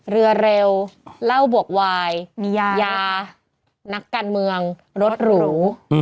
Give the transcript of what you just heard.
เรือเร็วเหล้าบวกวายยานักการเมืองรถหรู